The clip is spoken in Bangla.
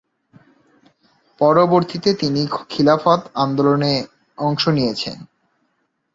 পরবর্তীতে তিনি খিলাফত আন্দোলনে অংশ নিয়েছেন।